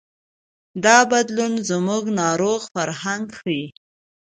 دا بدلون زموږ ناروغ فرهنګ ښيي.